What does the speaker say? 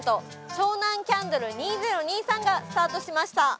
湘南キャンドル２０２３がスタートしました。